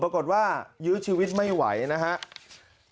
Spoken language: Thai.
ปรากฏว่ายื้อชีวิตไม่ไหวนะครับ